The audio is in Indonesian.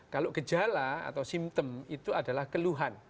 kejala atau symptom itu adalah keluhan